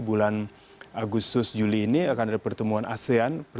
bulan agustus juli ini akan ada pertemuan asean